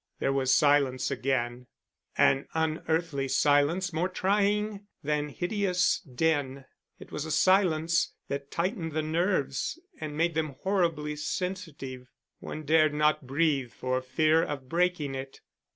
There was silence again, an unearthly silence more trying than hideous din. It was a silence that tightened the nerves and made them horribly sensitive: one dared not breathe for fear of breaking it.